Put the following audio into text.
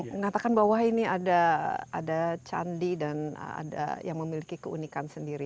mengatakan bahwa ini ada candi dan ada yang memiliki keunikan sendiri